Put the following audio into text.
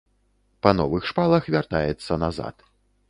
Па новых шпалах вяртаецца назад.